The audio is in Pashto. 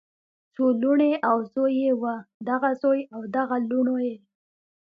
څو لوڼې او زوي یې وو دغه زوي او دغه لوڼو یی